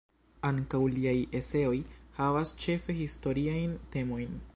Ankaŭ liaj eseoj havas ĉefe historiajn temojn.